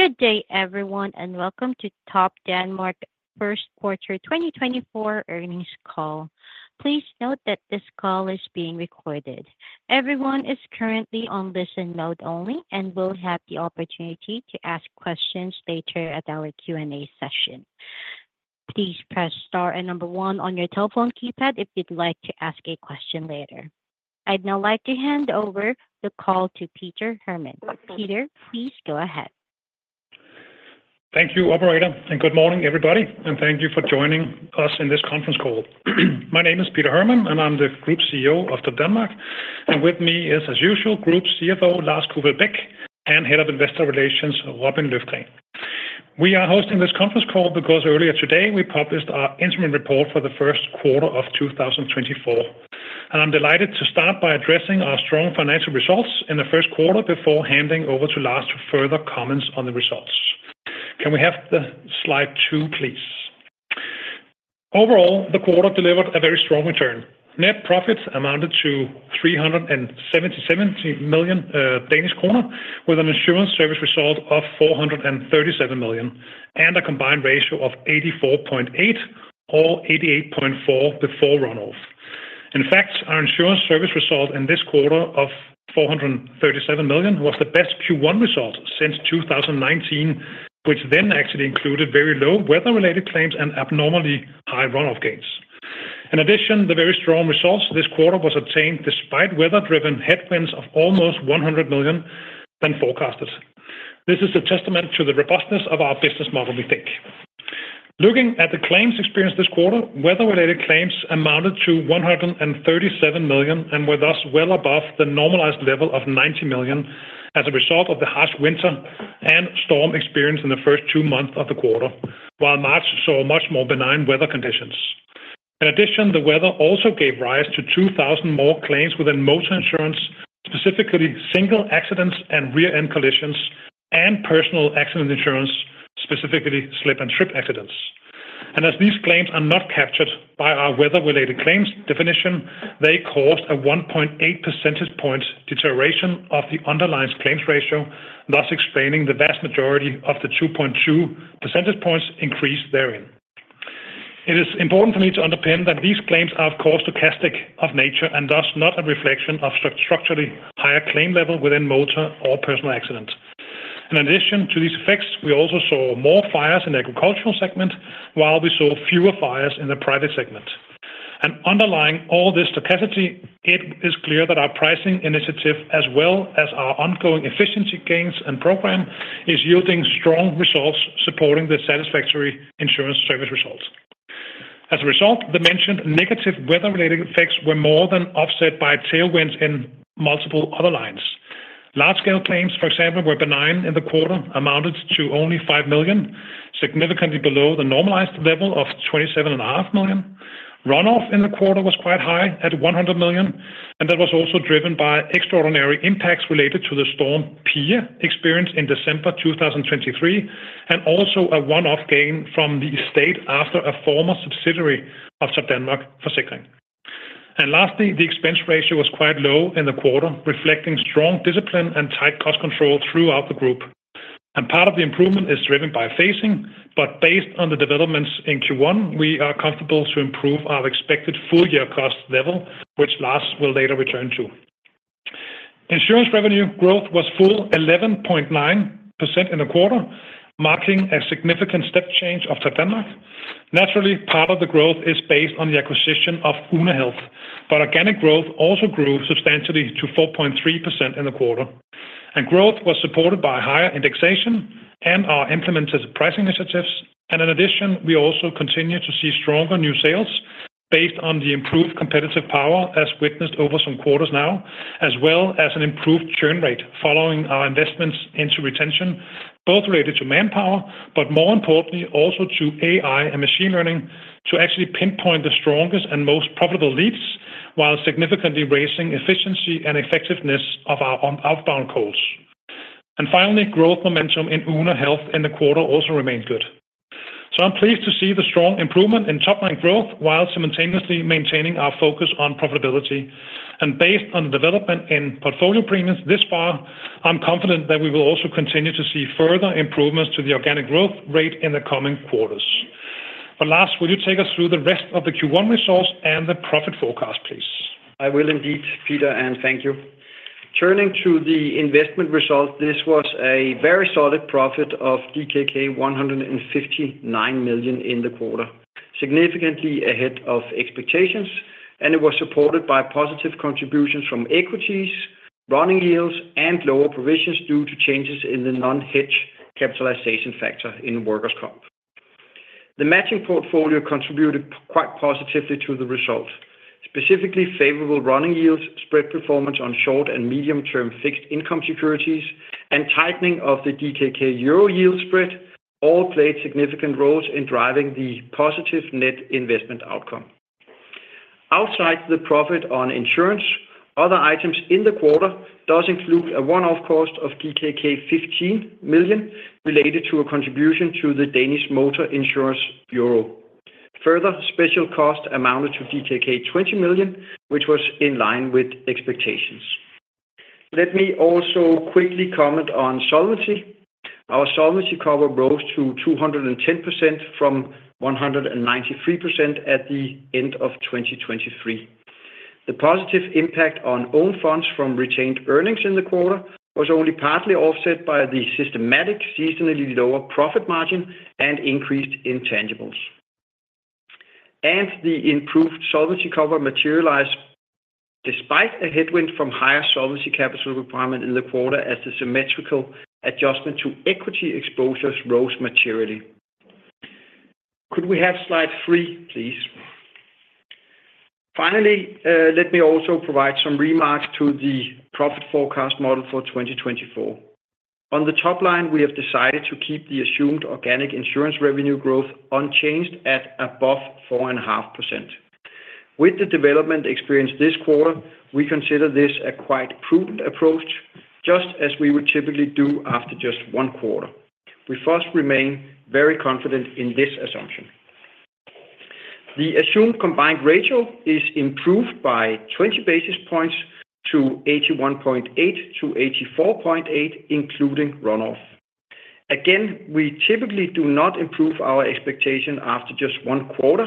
Good day, everyone, and welcome to Topdanmark First Quarter 2024 earnings call. Please note that this call is being recorded. Everyone is currently on listen mode only and will have the opportunity to ask questions later at our Q&A session. Please press star and number 1 on your telephone keypad if you'd like to ask a question later. I'd now like to hand over the call to Peter Hermann. Peter, please go ahead. Thank you, Operator, and good morning, everybody, and thank you for joining us in this conference call. My name is Peter Hermann, and I'm the Group CEO of Topdanmark, and with me is, as usual, Group CFO Lars Thykier and Head of Investor Relations Robin Hjelgaard Løfgren. We are hosting this conference call because earlier today we published our interim report for the first quarter of 2024, and I'm delighted to start by addressing our strong financial results in the first quarter before handing over to Lars for further comments on the results. Can we have slide 2, please? Overall, the quarter delivered a very strong return. Net profit amounted to 377 million Danish kroner with an insurance service result of 437 million and a combined ratio of 84.8% or 88.4% before runoff. In fact, our insurance service result in this quarter of 437 million was the best Q1 result since 2019, which then actually included very low weather-related claims and abnormally high runoff gains. In addition, the very strong results this quarter were obtained despite weather-driven headwinds of almost 100 million than forecasted. This is a testament to the robustness of our business model, we think. Looking at the claims experience this quarter, weather-related claims amounted to 137 million and were thus well above the normalized level of 90 million as a result of the harsh winter and storm experience in the first two months of the quarter, while March saw much more benign weather conditions. In addition, the weather also gave rise to 2,000 more claims within motor insurance, specifically single accidents and rear-end collisions, and personal accident insurance, specifically slip and trip accidents. As these claims are not captured by our weather-related claims definition, they caused a 1.8 percentage point deterioration of the underlying claims ratio, thus explaining the vast majority of the 2.2 percentage points increase therein. It is important for me to underpin that these claims are of course stochastic of nature and thus not a reflection of a structurally higher claim level within motor or personal accident. In addition to these effects, we also saw more fires in the agricultural segment, while we saw fewer fires in the private segment. Underlying all this stochasticity, it is clear that our pricing initiative, as well as our ongoing efficiency gains and program, is yielding strong results supporting the satisfactory insurance service results. As a result, the mentioned negative weather-related effects were more than offset by tailwinds in multiple other lines. Large-scale claims, for example, were benign in the quarter, amounted to only 5 million, significantly below the normalized level of 27.5 million. Runoff in the quarter was quite high at 100 million, and that was also driven by extraordinary impacts related to Storm Pia experienced in December 2023 and also a runoff gain from the estate after a former subsidiary of Topdanmark Forsikring. And lastly, the expense ratio was quite low in the quarter, reflecting strong discipline and tight cost control throughout the group. Part of the improvement is driven by phasing, but based on the developments in Q1, we are comfortable to improve our expected full-year cost level, which Lars will later return to. Insurance revenue growth was full 11.9% in the quarter, marking a significant step change of Topdanmark. Naturally, part of the growth is based on the acquisition of Oona Health, but organic growth also grew substantially to 4.3% in the quarter. Growth was supported by higher indexation and our implemented pricing initiatives. In addition, we also continue to see stronger new sales based on the improved competitive power as witnessed over some quarters now, as well as an improved churn rate following our investments into retention, both related to manpower, but more importantly, also to AI and machine learning to actually pinpoint the strongest and most profitable leads while significantly raising efficiency and effectiveness of our outbound calls. Finally, growth momentum in Oona Health in the quarter also remained good. I'm pleased to see the strong improvement in topline growth while simultaneously maintaining our focus on profitability. Based on the development in portfolio premiums this far, I'm confident that we will also continue to see further improvements to the organic growth rate in the coming quarters. But lars, will you take us through the rest of the Q1 results and the profit forecast, please? I will indeed, Peter, and thank you. Turning to the investment results, this was a very solid profit of DKK 159 million in the quarter, significantly ahead of expectations, and it was supported by positive contributions from equities, running yields, and lower provisions due to changes in the non-hedge capitalization factor in workers' comp. The matching portfolio contributed quite positively to the result. Specifically favorable running yields, spread performance on short and medium-term fixed income securities, and tightening of the DKK euro yield spread all played significant roles in driving the positive net investment outcome. Outside the profit on insurance, other items in the quarter do include a one-off cost of DKK 15 million related to a contribution to the Danish Motor Insurance Bureau. Further, special cost amounted to DKK 20 million, which was in line with expectations. Let me also quickly comment on solvency. Our solvency cover rose to 210% from 193% at the end of 2023. The positive impact on own funds from retained earnings in the quarter was only partly offset by the systematic seasonally lower profit margin and increased intangibles. The improved solvency cover materialized despite a headwind from higher solvency capital requirement in the quarter as the symmetrical adjustment to equity exposures rose materially. Could we have slide 3, please? Finally, let me also provide some remarks to the profit forecast model for 2024. On the topline, we have decided to keep the assumed organic insurance revenue growth unchanged at above 4.5%. With the development experience this quarter, we consider this a quite prudent approach, just as we would typically do after just one quarter. We first remain very confident in this assumption. The assumed combined ratio is improved by 20 basis points to 81.8-84.8, including runoff. Again, we typically do not improve our expectation after just one quarter,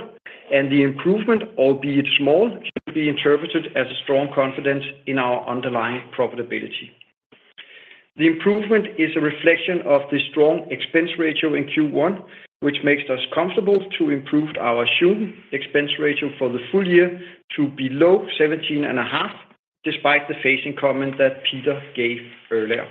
and the improvement, albeit small, should be interpreted as a strong confidence in our underlying profitability. The improvement is a reflection of the strong expense ratio in Q1, which makes us comfortable to improve our assumed expense ratio for the full year to below 17.5, despite the phasing comment that Peter gave earlier.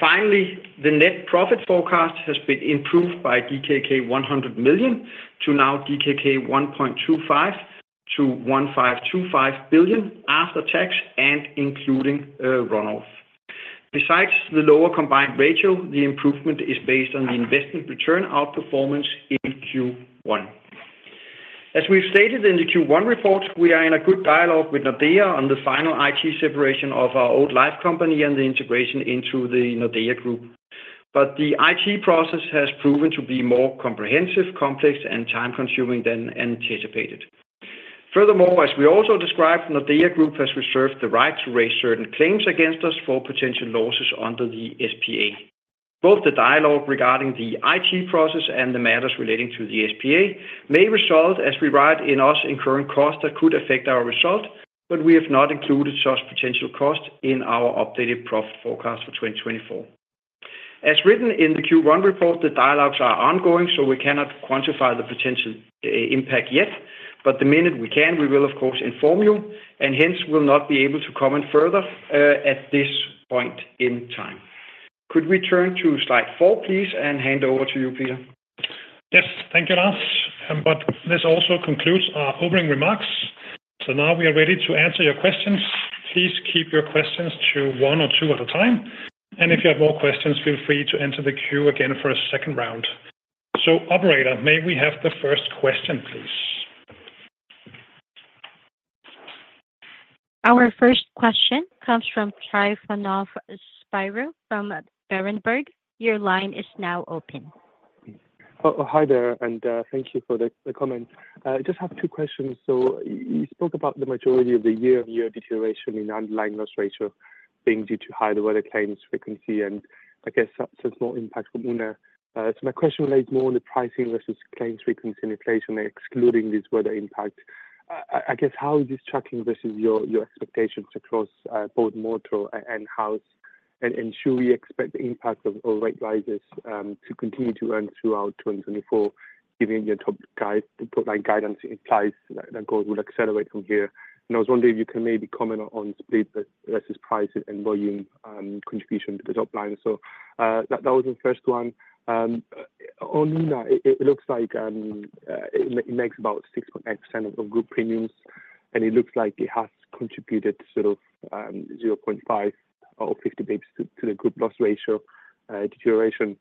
Finally, the net profit forecast has been improved by DKK 100 million to now 1.25 billion-1.525 billion DKK after tax and including runoff. Besides the lower combined ratio, the improvement is based on the investment return outperformance in Q1. As we've stated in the Q1 report, we are in a good dialogue with Nordea on the final IT separation of our old life company and the integration into the Nordea Group, but the IT process has proven to be more comprehensive, complex, and time-consuming than anticipated. Furthermore, as we also described, Nordea Group has reserved the right to raise certain claims against us for potential losses under the SPA. Both the dialogue regarding the IT process and the matters relating to the SPA may result as we write in us incurring current costs that could affect our result, but we have not included such potential costs in our updated profit forecast for 2024. As written in the Q1 report, the dialogues are ongoing, so we cannot quantify the potential impact yet, but the minute we can, we will, of course, inform you and hence will not be able to comment further at this point in time. Could we turn to slide 4, please, and hand over to you, Peter? Yes, thank you, Lars. But this also concludes our opening remarks. So now we are ready to answer your questions. Please keep your questions to one or two at a time, and if you have more questions, feel free to enter the queue again for a second round. So, Operator, may we have the first question, please? Our first question comes from Tryfonas Spyrou from Berenberg. Your line is now open. Hi there, and thank you for the comment. I just have two questions. So you spoke about the majority of the year-on-year deterioration in underlying loss ratio being due to higher weather claims frequency and, I guess, such more impact from Oona. So my question relates more to pricing versus claims frequency and inflation, excluding this weather impact. I guess, how is this tracking versus your expectations across both motor and house? And should we expect the impact of rate rises to continue to earn throughout 2024, given your topline guidance implies that growth will accelerate from here? And I was wondering if you can maybe comment on split versus price and volume contribution to the topline. So that was the first one. On Oona, it looks like it makes about 6.8% of group premiums, and it looks like it has contributed sort of 0.5 or 50 basis points to the group loss ratio deterioration.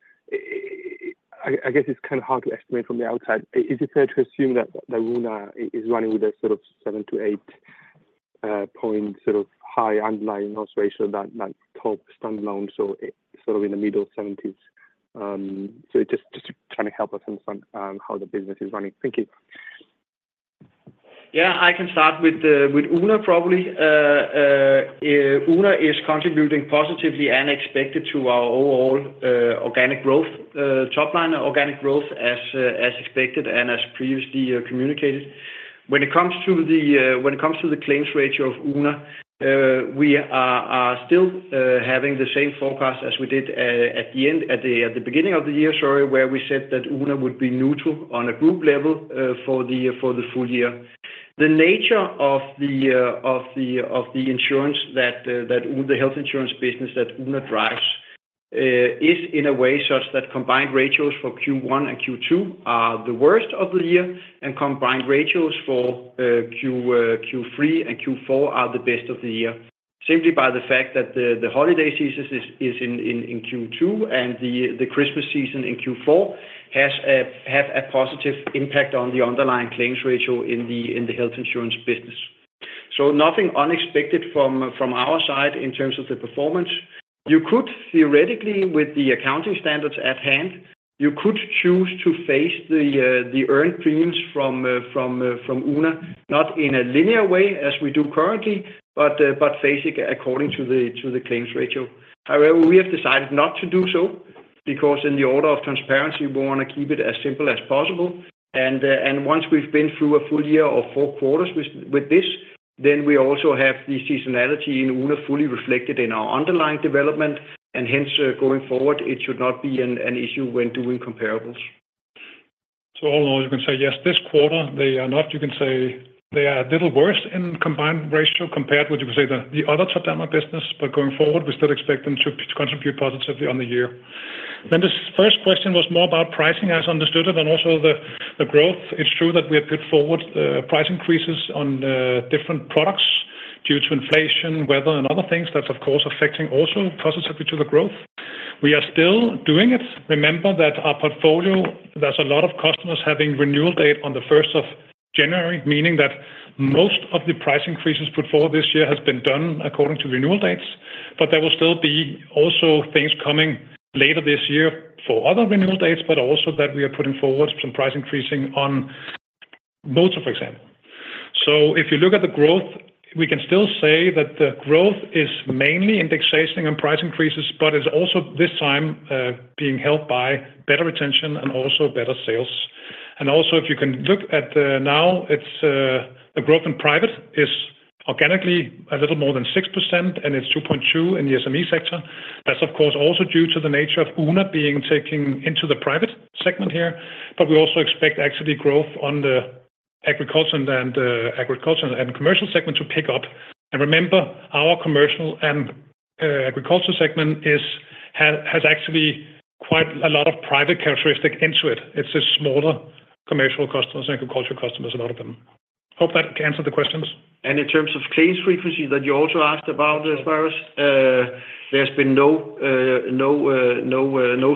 I guess it's kind of hard to estimate from the outside. Is it fair to assume that Oona is running with a sort of 7-8 point sort of high underlying loss ratio than that top standalone, so sort of in the middle 70s? So just trying to help us understand how the business is running. Thank you. Yeah, I can start with Oona probably. Oona is contributing positively and expected to our overall organic growth topline, organic growth as expected and as previously communicated. When it comes to the claims ratio of Oona, we are still having the same forecast as we did at the beginning of the year, sorry, where we said that Oona would be neutral on a group level for the full year. The nature of the insurance that the health insurance business that Oona drives is in a way such that combined ratios for Q1 and Q2 are the worst of the year, and combined ratios for Q3 and Q4 are the best of the year, simply by the fact that the holiday season is in Q2 and the Christmas season in Q4 have a positive impact on the underlying claims ratio in the health insurance business. So nothing unexpected from our side in terms of the performance. You could, theoretically, with the accounting standards at hand, you could choose to phase the earned premiums from Oona, not in a linear way as we do currently, but phasing according to the claims ratio. However, we have decided not to do so because in the order of transparency, we want to keep it as simple as possible. Once we've been through a full year or four quarters with this, then we also have the seasonality in Oona fully reflected in our underlying development, and hence, going forward, it should not be an issue when doing comparables. So all in all, you can say, yes, this quarter, they are not you can say they are a little worse in combined ratio compared with, you can say, the other Topdanmark business, but going forward, we still expect them to contribute positively on the year. Then this first question was more about pricing, as understood it, and also the growth. It's true that we have put forward price increases on different products due to inflation, weather, and other things that's, of course, affecting also positively to the growth. We are still doing it. Remember that our portfolio there's a lot of customers having renewal date on the 1st of January, meaning that most of the price increases put forward this year has been done according to renewal dates, but there will still be also things coming later this year for other renewal dates, but also that we are putting forward some price increasing on motor, for example. So if you look at the growth, we can still say that the growth is mainly indexation and price increases, but it's also this time being helped by better retention and also better sales. And also, if you can look at now, the growth in private is organically a little more than 6%, and it's 2.2 in the SME sector. That's, of course, also due to the nature of Oona being taking into the private segment here, but we also expect actually growth on the agriculture and commercial segment to pick up. And remember, our commercial and agriculture segment has actually quite a lot of private characteristic into it. It's just smaller commercial customers and agriculture customers, a lot of them. Hope that answered the questions. In terms of claims frequency that you also asked about, as far as there's been no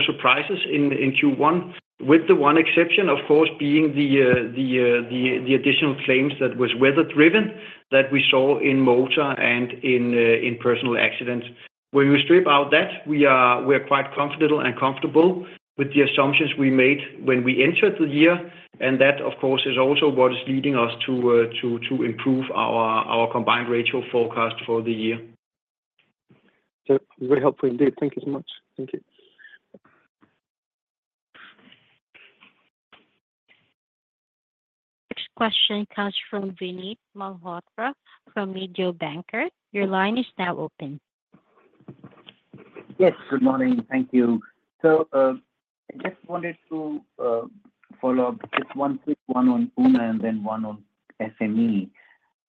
surprises in Q1, with the one exception, of course, being the additional claims that was weather-driven that we saw in motor and in personal accidents. When we strip out that, we are quite confident and comfortable with the assumptions we made when we entered the year, and that, of course, is also what is leading us to improve our combined ratio forecast for the year. Very helpful indeed. Thank you so much. Thank you. Next question comes from Vinit Malhotra from Mediobanca. Your line is now open. Yes, good morning. Thank you. So I just wanted to follow up just one quick one on Oona and then one on SME.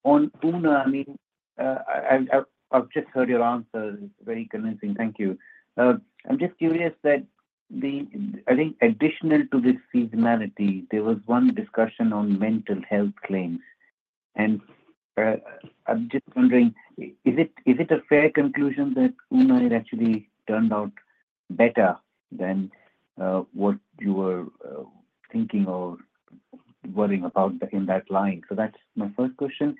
On Oona, I mean, I've just heard your answer. It's very convincing. Thank you. I'm just curious that I think additional to this seasonality, there was one discussion on mental health claims. And I'm just wondering, is it a fair conclusion that Oona had actually turned out better than what you were thinking or worrying about in that line? So that's my first question.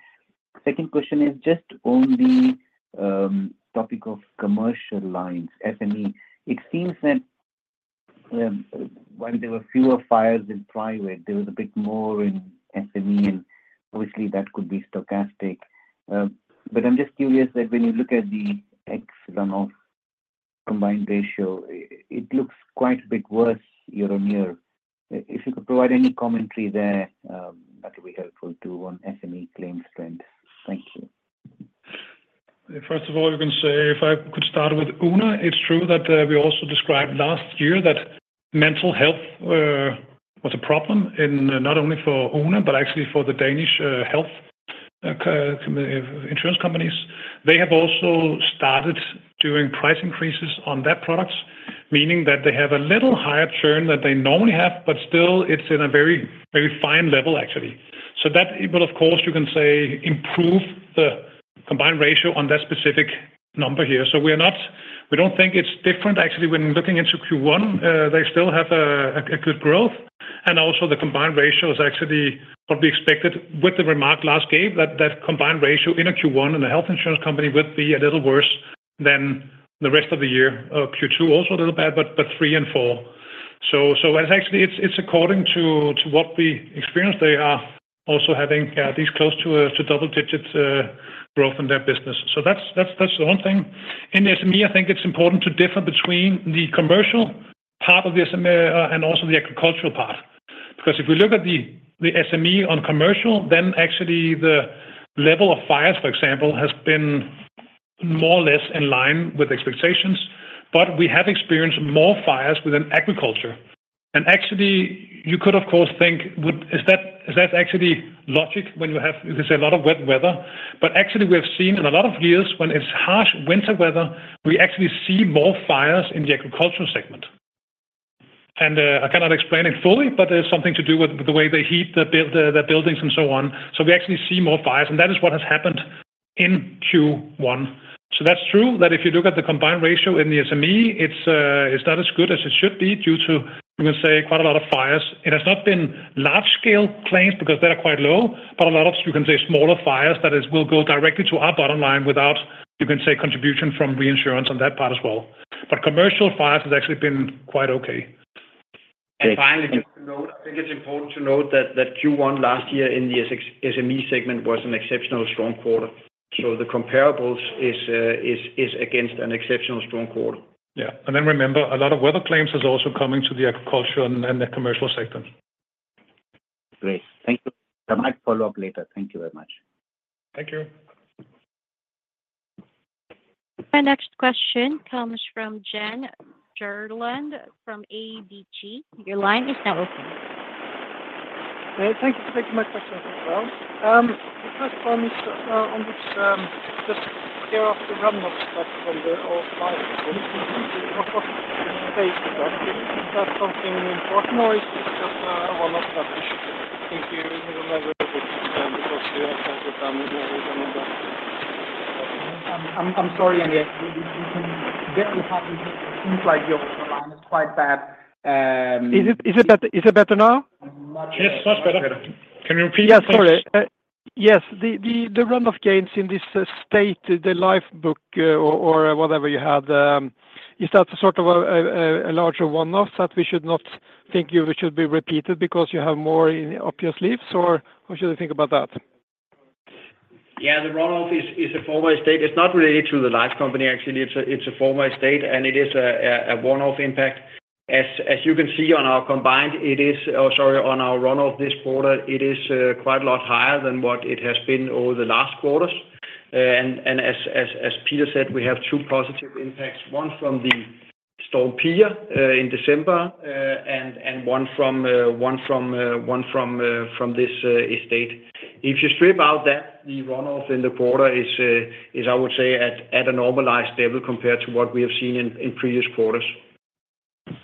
Second question is just on the topic of commercial lines, SME. It seems that while there were fewer fires in private, there was a bit more in SME, and obviously, that could be stochastic. But I'm just curious that when you look at the ex-runoff combined ratio, it looks quite a bit worse year-on-year. If you could provide any commentary there, that would be helpful too on SME claims trends. Thank you. First of all, I can say if I could start with Oona, it's true that we also described last year that mental health was a problem not only for Oona, but actually for the Danish health insurance companies. They have also started doing price increases on that product, meaning that they have a little higher churn than they normally have, but still, it's in a very fine level, actually. So that will, of course, you can say, improve the combined ratio on that specific number here. So we don't think it's different, actually. When looking into Q1, they still have a good growth, and also the combined ratio is actually what we expected with the remark Lars gave that that combined ratio in a Q1 in a health insurance company would be a little worse than the rest of the year. Q2 also a little bad, but 3 and 4. So actually, it's according to what we experienced. They are also having these close to double-digit growth in their business. So that's the one thing. In SME, I think it's important to differ between the commercial part of the SME and also the agricultural part because if we look at the SME on commercial, then actually, the level of fires, for example, has been more or less in line with expectations, but we have experienced more fires within agriculture. And actually, you could, of course, think, is that actually logical when you have, you can say, a lot of wet weather? But actually, we have seen in a lot of years when it's harsh winter weather, we actually see more fires in the agricultural segment. And I cannot explain it fully, but it's something to do with the way they heat their buildings and so on. So we actually see more fires, and that is what has happened in Q1. So that's true that if you look at the combined ratio in the SME, it's not as good as it should be due to, you can say, quite a lot of fires. It has not been large-scale claims because they are quite low, but a lot of, you can say, smaller fires that will go directly to our bottom line without, you can say, contribution from reinsurance on that part as well. But commercial fires have actually been quite okay. And finally, just to note, I think it's important to note that Q1 last year in the SME segment was an exceptionally strong quarter. So the comparables is against an exceptionally strong quarter. Yeah. And then remember, a lot of weather claims are also coming to the agriculture and the commercial sector. Great. Thank you. I might follow up later. Thank you very much. Thank you. Our next question comes from Jan Erik Gjerland from ABG. Your line is now open. Thank you for taking my question as well, Lars. The first one is on the runoff stuff from the old fires. What's the status? Is that something important, or is this just one of the issues that I think you need to remember a little bit because you have done more than enough? I'm sorry, Andy. We can barely hear you here. It seems like your line is quite bad. Is it better now? Yes, much better. Can you repeat? Yes, sorry. Yes, the runoff gains in this state, the life book or whatever you had, is that sort of a larger one-off that we should not think should be repeated because you have more up your sleeves, or how should we think about that? Yeah, the runoff is a former estate. It's not related to the life company, actually. It's a former estate, and it is a one-off impact. As you can see on our combined, it is sorry, on our runoff this quarter, it is quite a lot higher than what it has been over the last quarters. And as Peter said, we have two positive impacts, one from the Storm Pia in December and one from this estate. If you strip out that, the runoff in the quarter is, I would say, at a normalized level compared to what we have seen in previous quarters.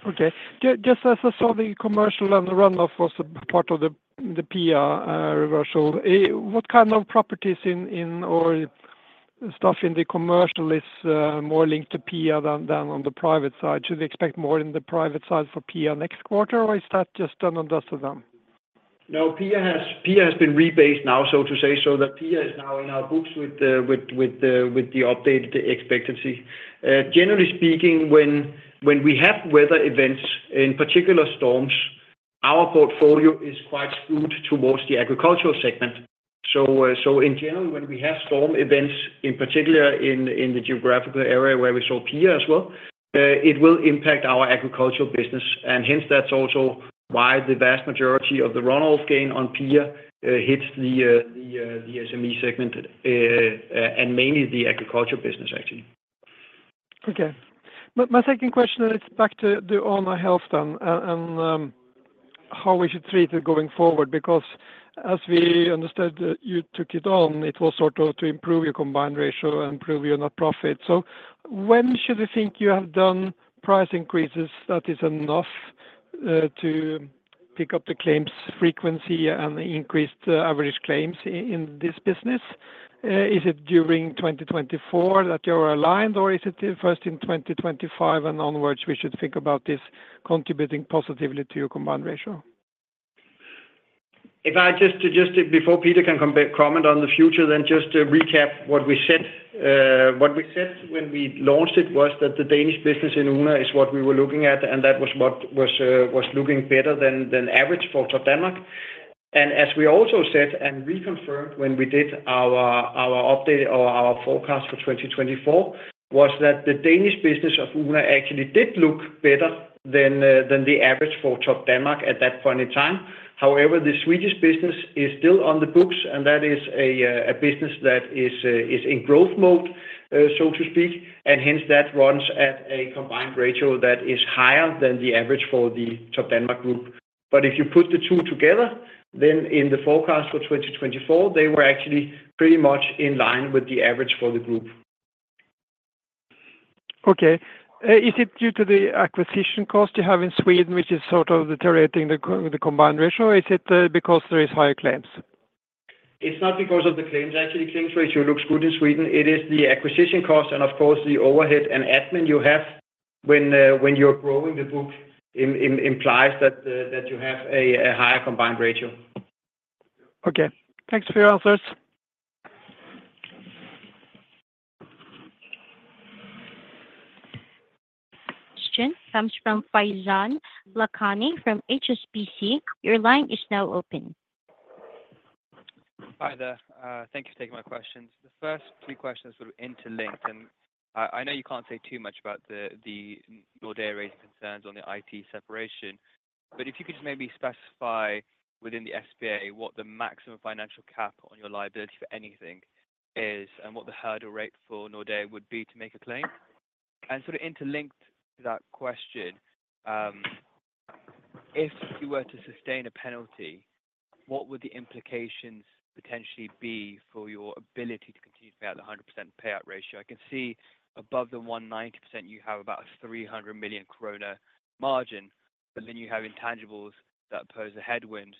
Okay. Just as I saw, the commercial and the runoff was part of the Pia reversal. What kind of properties or stuff in the commercial is more linked to Pia than on the private side? Should we expect more in the private side for Pia next quarter, or is that just an understatement then? No, Pia has been rebased now, so to say, so that Pia is now in our books with the updated expectancy. Generally speaking, when we have weather events, in particular storms, our portfolio is quite skewed towards the agricultural segment. So in general, when we have storm events, in particular in the geographical area where we saw Pia as well, it will impact our agricultural business. And hence, that's also why the vast majority of the runoff gain on Pia hits the SME segment and mainly the agriculture business, actually. Okay. My second question, it's back to the Oona Health then and how we should treat it going forward because as we understood, you took it on, it was sort of to improve your combined ratio and improve your net profit. So when should we think you have done price increases that is enough to pick up the claims frequency and increased average claims in this business? Is it during 2024 that you are aligned, or is it first in 2025 and onwards we should think about this contributing positively to your combined ratio? If I just before Peter can comment on the future, then just to recap what we said. What we said when we launched it was that the Danish business in Oona is what we were looking at, and that was what was looking better than average for Topdanmark. As we also said and reconfirmed when we did our update or our forecast for 2024, was that the Danish business of Oona actually did look better than the average for Topdanmark at that point in time. However, the Swedish business is still on the books, and that is a business that is in growth mode, so to speak, and hence, that runs at a combined ratio that is higher than the average for the Topdanmark group. If you put the two together, then in the forecast for 2024, they were actually pretty much in line with the average for the group. Okay. Is it due to the acquisition cost you have in Sweden, which is sort of deteriorating the combined ratio, or is it because there are higher claims? It's not because of the claims. Actually, claims ratio looks good in Sweden. It is the acquisition cost and, of course, the overhead and admin you have when you're growing the book implies that you have a higher combined ratio. Okay. Thanks for your answers. Question comes from Faizan Lakhani from HSBC. Your line is now open. Hi there. Thank you for taking my questions. The first three questions were interlinked, and I know you can't say too much about the Nordea raising concerns on the IT separation, but if you could just maybe specify within the SPA what the maximum financial cap on your liability for anything is and what the hurdle rate for Nordea would be to make a claim. And sort of interlinked to that question, if you were to sustain a penalty, what would the implications potentially be for your ability to continue to pay out the 100% payout ratio? I can see above the 190%, you have about a 300 million krone margin, but then you have intangibles that pose a headwind,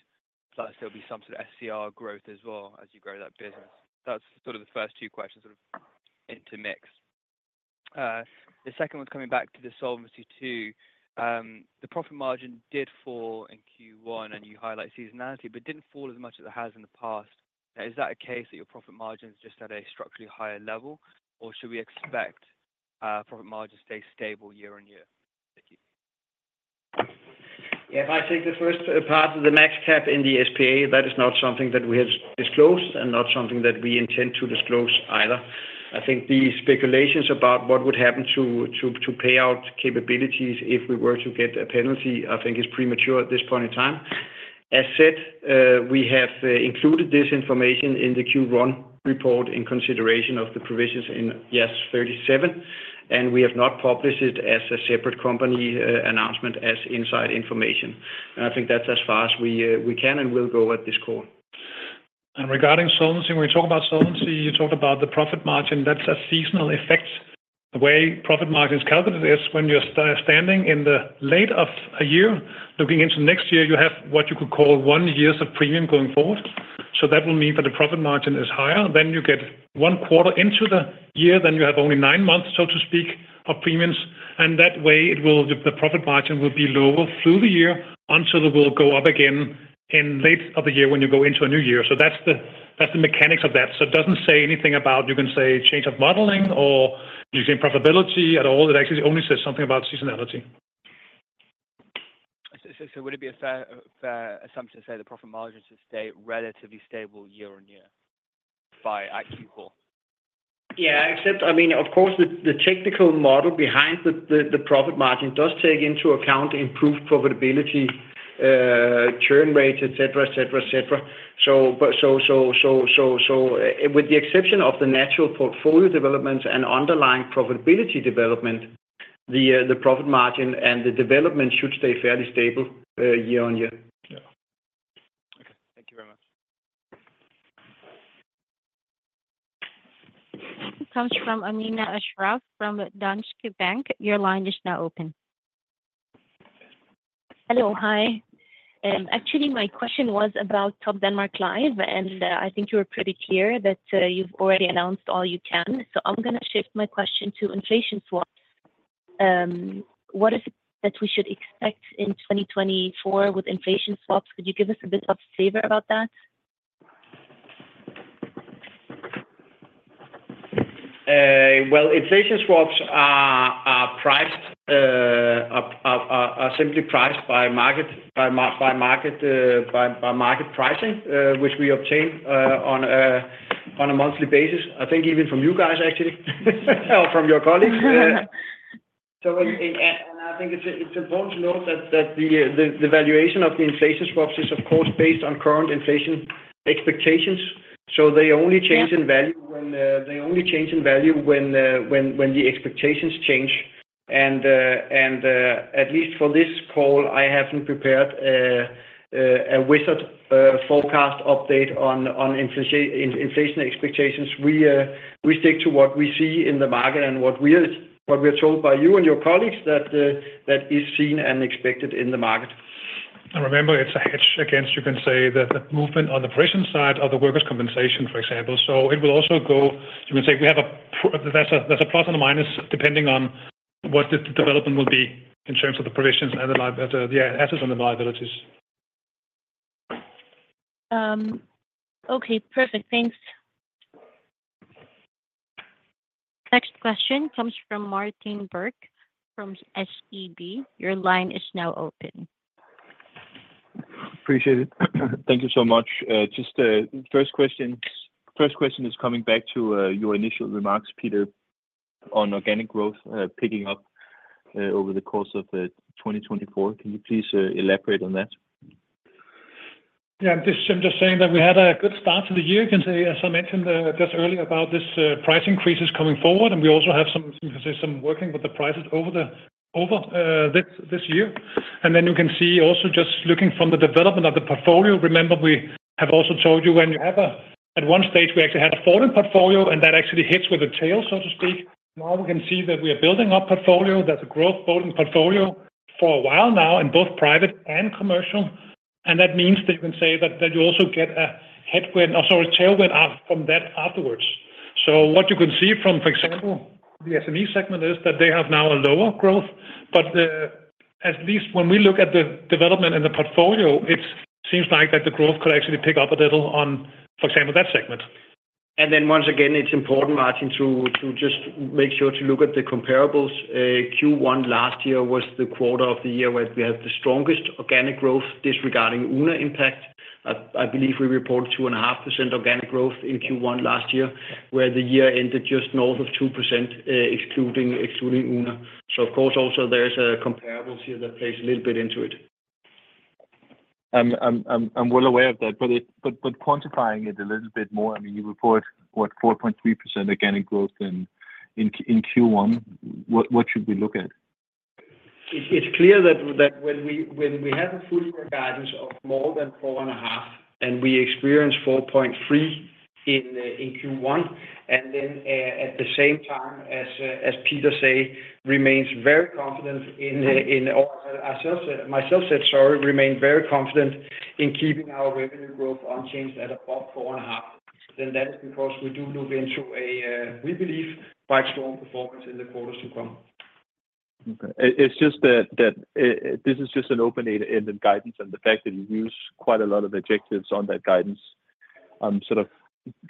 plus there'll be some sort of SCR growth as well as you grow that business. That's sort of the first two questions sort of intermixed. The second one's coming back to the solvency, too. The profit margin did fall in Q1, and you highlight seasonality, but didn't fall as much as it has in the past. Is that a case that your profit margin is just at a structurally higher level, or should we expect profit margin to stay stable year-over-year? Thank you. Yeah, if I take the first part of the max cap in the SPA, that is not something that we have disclosed and not something that we intend to disclose either. I think the speculations about what would happen to payout capabilities if we were to get a penalty, I think, is premature at this point in time. As said, we have included this information in the Q1 report in consideration of the provisions in IAS 37, and we have not published it as a separate company announcement as inside information. I think that's as far as we can and will go at this call. Regarding solvency, when you talk about solvency, you talked about the profit margin. That's a seasonal effect. The way profit margin is calculated is when you're standing in the end of a year, looking into next year, you have what you could call one year's premium going forward. That will mean that the profit margin is higher. You get one quarter into the year, then you have only nine months, so to speak, of premiums. That way, the profit margin will be lower through the year until it will go up again in end of the year when you go into a new year. That's the mechanics of that. It doesn't say anything about, you can say, change of modeling or you can say profitability at all. It actually only says something about seasonality. Would it be a fair assumption to say the profit margin should stay relatively stable year-on-year by Q4? Yeah, except I mean, of course, the technical model behind the profit margin does take into account improved profitability, churn rates, etc., etc., etc. So with the exception of the natural portfolio developments and underlying profitability development, the profit margin and the development should stay fairly stable year-on-year. Yeah. Okay. Thank you very much. This comes from Asbjørn Mørk from Danske Bank. Your line is now open. Hello. Hi. Actually, my question was about Topdanmark Lars, and I think you were pretty clear that you've already announced all you can. So I'm going to shift my question to inflation swaps. What is it that we should expect in 2024 with inflation swaps? Could you give us a bit of flavor about that? Well, inflation swaps are simply priced by market pricing, which we obtain on a monthly basis, I think even from you guys, actually, or from your colleagues. I think it's important to note that the valuation of the inflation swaps is, of course, based on current inflation expectations. So they only change in value when they only change in value when the expectations change. And at least for this call, I haven't prepared a wider forecast update on inflation expectations. We stick to what we see in the market and what we are told by you and your colleagues that is seen and expected in the market. And remember, it's a hedge against, you can say, the movement on the provision side of the workers' compensation, for example. So it will also go you can say we have a there's a plus and a minus depending on what the development will be in terms of the provisions and the assets and the liabilities. Okay. Perfect. Thanks. Next question comes from Martin Hultén Birke from SEB. Your line is now open. Appreciate it. Thank you so much. Just first question is coming back to your initial remarks, Peter, on organic growth picking up over the course of 2024. Can you please elaborate on that? Yeah. I'm just saying that we had a good start to the year. You can see, as I mentioned just earlier, about this price increases coming forward, and we also have some, you can say, some working with the prices over this year. Then you can see also just looking from the development of the portfolio. Remember, we have also told you when you have a at one stage, we actually had a falling portfolio, and that actually hits with a tail, so to speak. Now we can see that we are building our portfolio. That's a growth-bound portfolio for a while now in both private and commercial. And that means that you can say that you also get a headwind or sorry, tailwind from that afterwards. So what you can see from, for example, the SME segment is that they have now a lower growth. But at least when we look at the development in the portfolio, it seems like that the growth could actually pick up a little on, for example, that segment. Then once again, it's important, Martin, to just make sure to look at the comparables. Q1 last year was the quarter of the year where we had the strongest organic growth disregarding Oona impact. I believe we reported 2.5% organic growth in Q1 last year where the year ended just north of 2% excluding Oona. Of course, also, there's comparables here that play a little bit into it. I'm well aware of that, but quantifying it a little bit more, I mean, you report, what, 4.3% organic growth in Q1. What should we look at? It's clear that when we have a full-year guidance of more than 4.5 and we experience 4.3 in Q1, and then at the same time as Peter say, remains very confident in or myself said, sorry, remain very confident in keeping our revenue growth unchanged at above 4.5, then that is because we do look into a we believe quite strong performance in the quarters to come. Okay. It's just that this is just an open-ended guidance and the fact that you use quite a lot of adjectives on that guidance. I'm sort of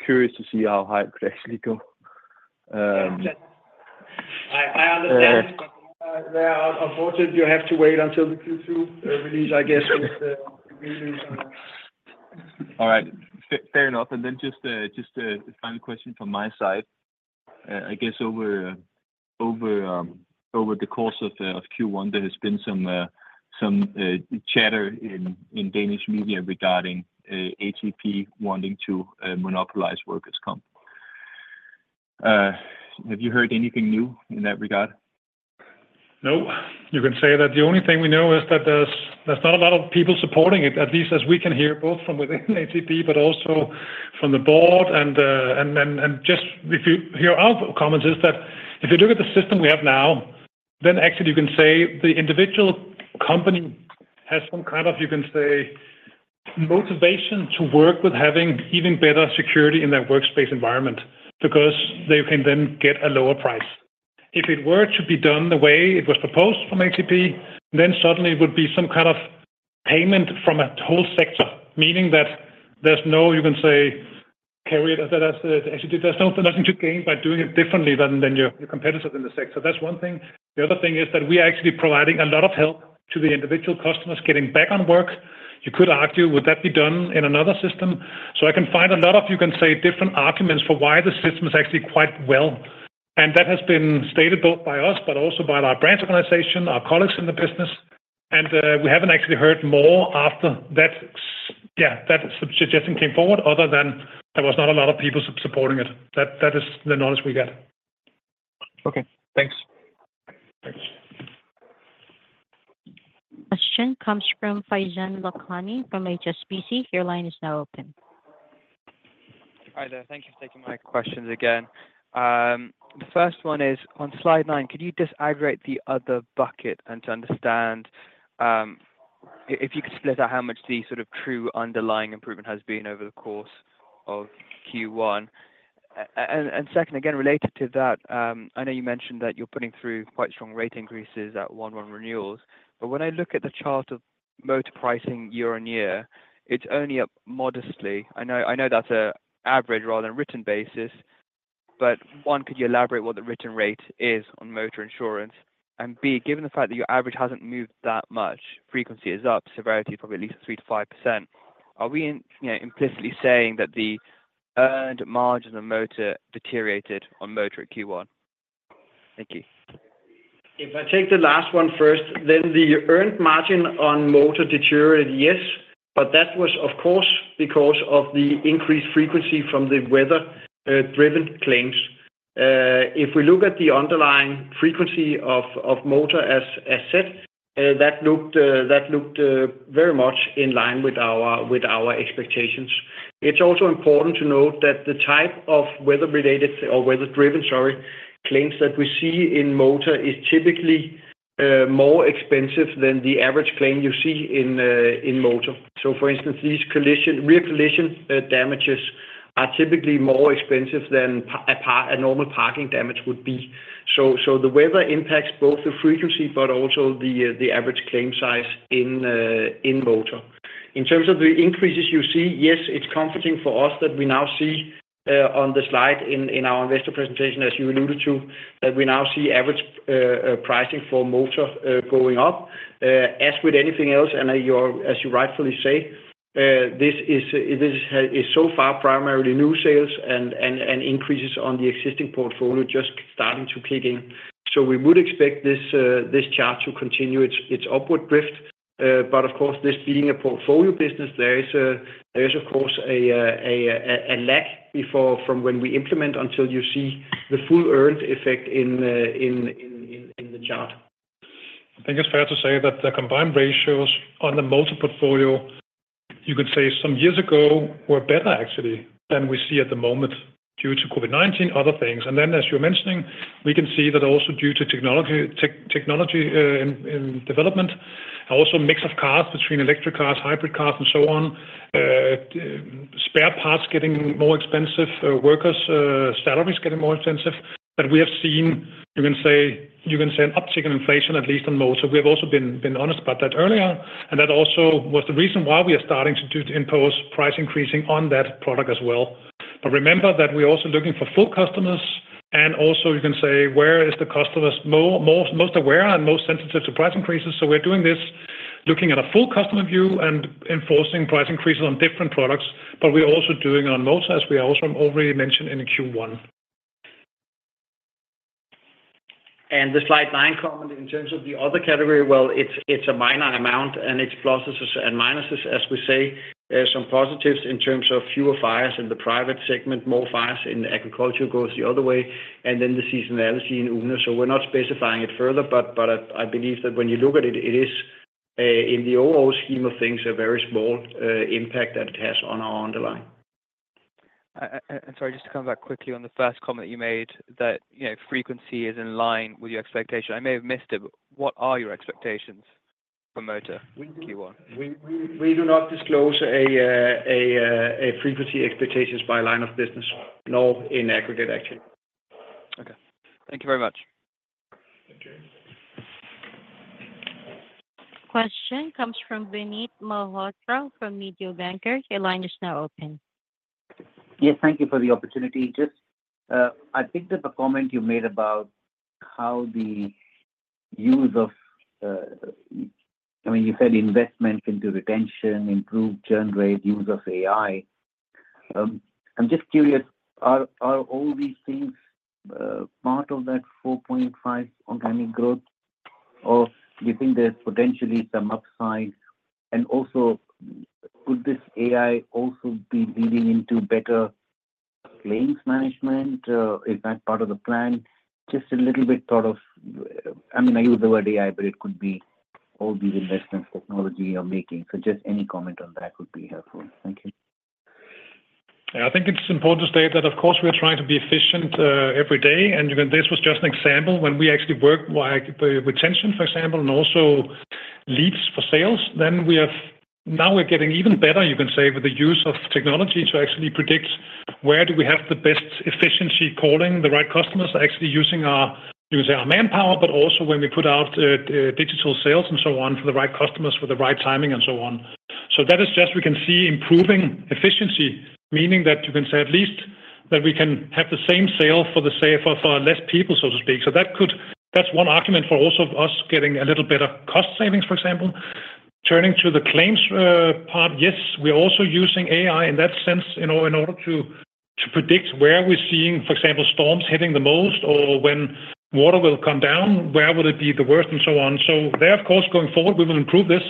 curious to see how high it could actually go. I understand, but unfortunately, you have to wait until the Q2 release, I guess, with the release. All right. Fair enough. And then just a final question from my side. I guess over the course of Q1, there has been some chatter in Danish media regarding ATP wanting to monopolize workers' comp. Have you heard anything new in that regard? No. You can say that the only thing we know is that there's not a lot of people supporting it, at least as we can hear, both from within ATP but also from the board. And just if you hear our comments is that if you look at the system we have now, then actually, you can say the individual company has some kind of, you can say, motivation to work with having even better security in that workspace environment because they can then get a lower price. If it were to be done the way it was proposed from ATP, then suddenly it would be some kind of payment from a whole sector, meaning that there's no, you can say, carry it. Actually, there's nothing to gain by doing it differently than your competitors in the sector. That's one thing. The other thing is that we are actually providing a lot of help to the individual customers getting back on work. You could argue, would that be done in another system? So I can find a lot of, you can say, different arguments for why the system is actually quite well. And that has been stated both by us but also by our branch organization, our colleagues in the business. And we haven't actually heard more after that suggestion came forward other than there was not a lot of people supporting it. That is the knowledge we get. Okay. Thanks. Thanks. Question comes from Faizan Lakhani from HSBC. Your line is now open. Hi there. Thank you for taking my questions again. The first one is on slide 9, could you disaggregate the other bucket and to understand if you could split out how much the sort of true underlying improvement has been over the course of Q1? And second, again, related to that, I know you mentioned that you're putting through quite strong rate increases at 1-1 renewals. But when I look at the chart of motor pricing year-on-year, it's only up modestly. I know that's an average rather than written basis, but one, could you elaborate what the written rate is on motor insurance? And B, given the fact that your average hasn't moved that much, frequency is up, severity is probably at least 3%-5%, are we implicitly saying that the earned margin on motor deteriorated on motor at Q1? Thank you. If I take the last one first, then the earned margin on motor deteriorated, yes, but that was, of course, because of the increased frequency from the weather-driven claims. If we look at the underlying frequency of motor as set, that looked very much in line with our expectations. It's also important to note that the type of weather-related or weather-driven, sorry, claims that we see in motor is typically more expensive than the average claim you see in motor. So, for instance, these rear collision damages are typically more expensive than a normal parking damage would be. So the weather impacts both the frequency but also the average claim size in motor. In terms of the increases you see, yes, it's comforting for us that we now see on the slide in our investor presentation, as you alluded to, that we now see average pricing for motor going up. As with anything else, and as you rightfully say, this is so far primarily new sales and increases on the existing portfolio just starting to kick in. So we would expect this chart to continue its upward drift. But, of course, this being a portfolio business, there is, of course, a lag from when we implement until you see the full earned effect in the chart. I think it's fair to say that the combined ratios on the motor portfolio, you could say, some years ago were better, actually, than we see at the moment due to COVID-19, other things. And then, as you were mentioning, we can see that also due to technology in development, also a mix of cars between electric cars, hybrid cars, and so on, spare parts getting more expensive, workers' salaries getting more expensive. That we have seen, you can say, an uptick in inflation, at least on motor. We have also been honest about that earlier. And that also was the reason why we are starting to impose price increases on that product as well. But remember that we are also looking for full customers. And also, you can say, where is the customer most aware and most sensitive to price increases? We are doing this looking at a full customer view and enforcing price increases on different products. We are also doing it on motor, as we also already mentioned in Q1. The slide 9 comment in terms of the other category, well, it's a minor amount, and it's pluses and minuses, as we say, some positives in terms of fewer fires in the private segment, more fires in agriculture goes the other way, and then the seasonality in Oona. So we're not specifying it further, but I believe that when you look at it, it is in the overall scheme of things, a very small impact that it has on our underlying. Sorry, just to come back quickly on the first comment that you made, that frequency is in line with your expectation. I may have missed it, but what are your expectations for motor in Q1? We do not disclose frequency expectations by line of business, nor in aggregate, actually. Okay. Thank you very much. Thank you. Question comes from Vinit Malhotra from Mediobanca. Your line is now open. Yes. Thank you for the opportunity. Just, I picked up a comment you made about how the use of—I mean, you said investment into retention, improved churn rate, use of AI. I'm just curious, are all these things part of that 4.5 organic growth, or do you think there's potentially some upside? And also, could this AI also be leading into better claims management? Is that part of the plan? Just a little bit thought of—I mean, I use the word AI, but it could be all these investments technology you're making. So just any comment on that would be helpful. Thank you. Yeah. I think it's important to state that, of course, we are trying to be efficient every day. This was just an example. When we actually work with retention, for example, and also leads for sales, then now we're getting even better, you can say, with the use of technology to actually predict where do we have the best efficiency calling, the right customers are actually using our, you can say, our manpower, but also when we put out digital sales and so on for the right customers with the right timing and so on. So that is just we can see improving efficiency, meaning that you can say at least that we can have the same sale for less people, so to speak. That's one argument for also us getting a little better cost savings, for example. Turning to the claims part, yes, we are also using AI in that sense in order to predict where we're seeing, for example, storms hitting the most or when water will come down, where would it be the worst, and so on. So there, of course, going forward, we will improve this.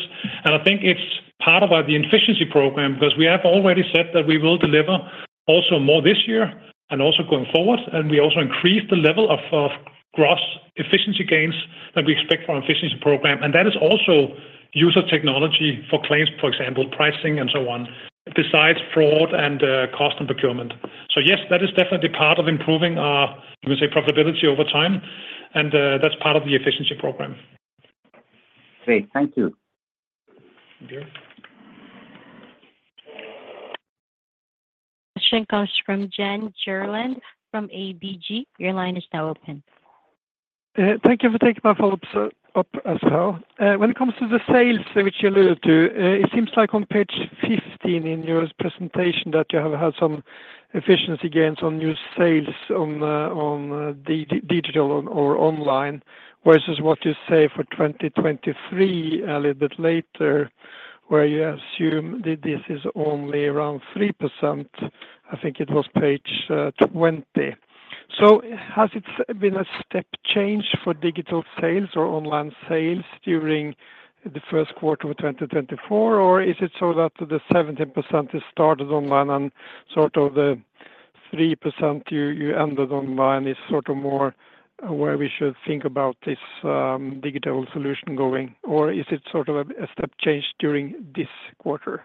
And I think it's part of the efficiency program because we have already said that we will deliver also more this year and also going forward. And we also increase the level of gross efficiency gains that we expect from our efficiency program. And that is also use of technology for claims, for example, pricing and so on, besides fraud and cost and procurement. So yes, that is definitely part of improving our, you can say, profitability over time. And that's part of the efficiency program. Great. Thank you. Thank you. Question comes from Jan Erik Gjerland from ABG. Your line is now open. Thank you for taking my follow-up as well. When it comes to the sales which you alluded to, it seems like on page 15 in your presentation that you have had some efficiency gains on new sales on digital or online versus what you say for 2023 a little bit later where you assume this is only around 3%. I think it was page 20. So has it been a step change for digital sales or online sales during the first quarter of 2024, or is it so that the 17% is started online and sort of the 3% you ended online is sort of more where we should think about this digital solution going? Or is it sort of a step change during this quarter?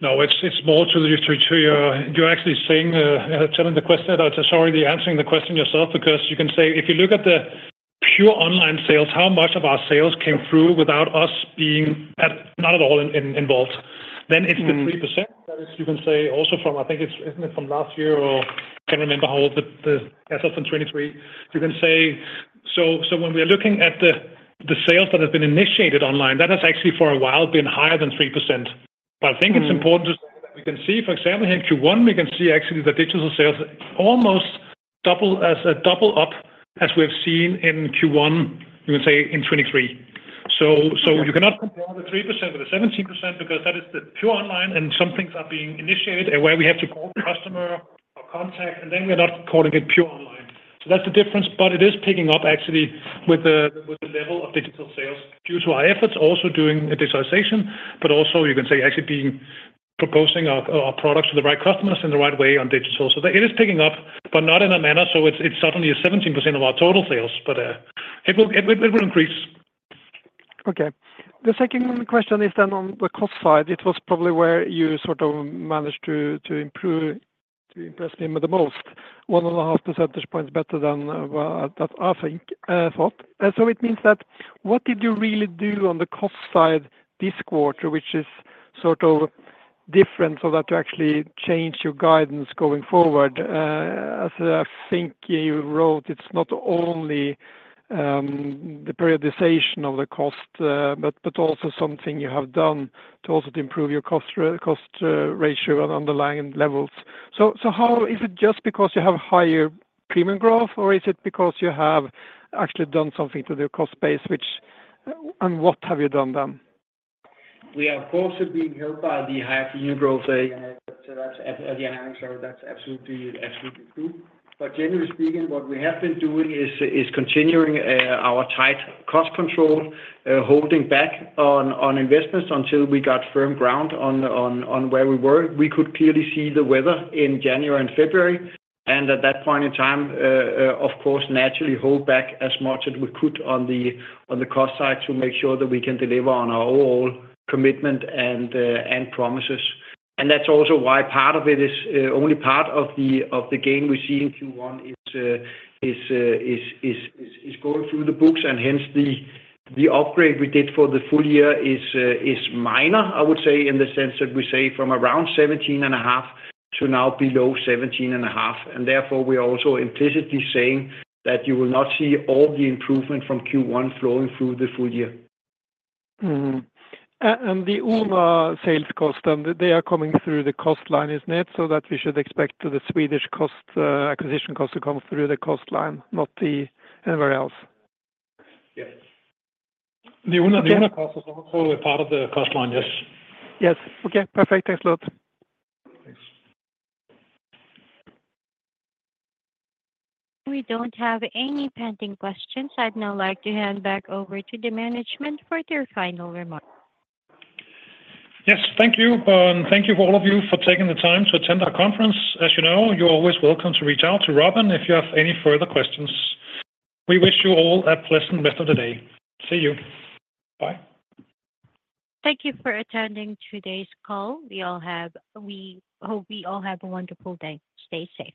No. It's more to your you're actually saying telling the question sorry, the answering the question yourself because you can say if you look at the pure online sales, how much of our sales came through without us being not at all involved? Then it's the 3% that is, you can say, also from I think it's, isn't it, from last year or can't remember how old the as of 2023, you can say so when we are looking at the sales that have been initiated online, that has actually for a while been higher than 3%. But I think it's important to say that we can see, for example, here in Q1, we can see actually the digital sales almost double up as we have seen in Q1, you can say, in 2023. So you cannot compare the 3% with the 17% because that is the pure online. And some things are being initiated where we have to call the customer or contact, and then we are not calling it pure online. So that's the difference. But it is picking up, actually, with the level of digital sales due to our efforts also doing digitization, but also, you can say, actually proposing our products to the right customers in the right way on digital. So it is picking up, but not in a manner so it's suddenly a 17% of our total sales. But it will increase. Okay. The second question is then on the cost side. It was probably where you sort of managed to impress me the most, 1.5 percentage points better than what I thought. So it means that what did you really do on the cost side this quarter, which is sort of different so that you actually change your guidance going forward? As I think you wrote, it's not only the periodization of the cost but also something you have done to also improve your cost ratio and underlying levels. So is it just because you have higher premium growth, or is it because you have actually done something to the cost base, which and what have you done then? We are also being helped by the higher premium growth. The analytics are absolutely true. But generally speaking, what we have been doing is continuing our tight cost control, holding back on investments until we got firm ground on where we were. We could clearly see the weather in January and February. And at that point in time, of course, naturally hold back as much as we could on the cost side to make sure that we can deliver on our overall commitment and promises. And that's also why part of it is only part of the gain we see in Q1 is going through the books. And hence, the upgrade we did for the full year is minor, I would say, in the sense that we say from around 17.5 to now below 17.5. Therefore, we are also implicitly saying that you will not see all the improvement from Q1 flowing through the full year. The Oona sales cost, they are coming through the cost line, isn't it, so that we should expect the Swedish acquisition cost to come through the cost line, not anywhere else? Yes. The Oona cost is also part of the cost line, yes. Yes. Okay. Perfect. Thanks a lot. Thanks. We don't have any pending questions. I'd now like to hand back over to the management for their final remarks. Yes. Thank you. Thank you for all of you for taking the time to attend our conference. As you know, you're always welcome to reach out to Robin if you have any further questions. We wish you all a pleasant rest of the day. See you. Bye. Thank you for attending today's call. We hope we all have a wonderful day. Stay safe.